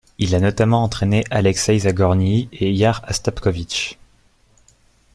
Il a notamment entrainé Aleksey Zagornyi et Ihar Astapkovich.